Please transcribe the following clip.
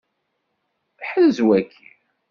Ḥrez waki!